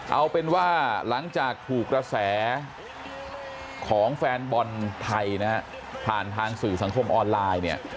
เอาเป็นว่าหลังจากถูกกระแสของแฟนบอลไทยนะฮะผ่านทางสื่อสังคมออนไลน์เนี่ย